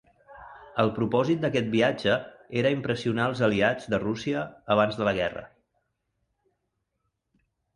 El propòsit d'aquest viatge era impressionar els aliats de Rússia abans de la guerra.